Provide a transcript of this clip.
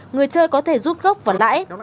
người chơi có thể rút gốc vào lãi